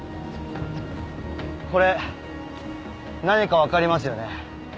これ何かわかりますよね？